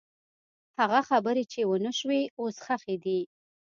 هغه خبرې چې ونه شوې، اوس ښخې دي.